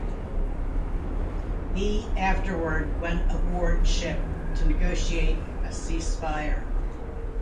He afterward went aboard ship to negotiate a cease fire.